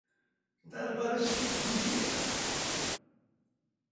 Det er berre slikt ein ikkje gjer.